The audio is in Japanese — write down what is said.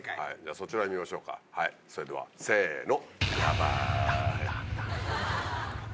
そちら見ましょうかそれではせの。